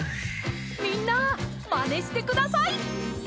みんなまねしてください！